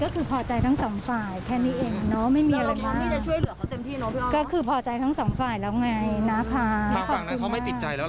ทางฝั่งนั้นเค้าไม่ติดใจแล้วหรือครับ